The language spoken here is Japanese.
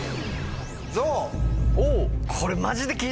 これ。